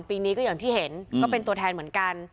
ปีนี้ก็อย่างที่เห็นก็เป็นตัวแทนเหมือนกัน